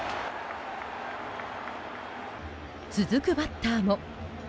続くバッターも。